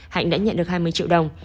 hạnh đã nhận được hai mươi triệu đồng